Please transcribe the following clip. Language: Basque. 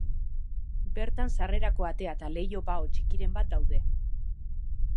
Bertan sarrerako atea eta leiho-bao txikiren bat daude.